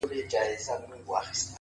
غاړه راکړه خولگۍ راکړه بس دی چوپ سه